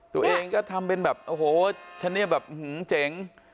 ตัวเองก็ทำเป็นแบบโอ้โหชะเนียแบบเจ๋ง